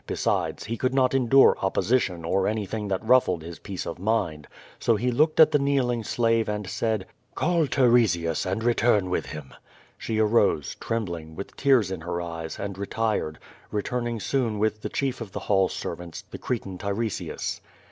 Besides, he could not endure opposition or anything that ruffled his peace of mind. So he looked at the kneeling slave, and said; "Call Tiresias, and return with him/^ She arose^ trem bling, with tears in her eyes, and retired, returning soon with the ehierf of the hall servants, the Cretan Tiresias.